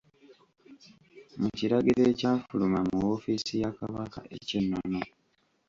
Mu kiragiro ekyafuluma mu woofiisi ya Kabaka eky'ennono.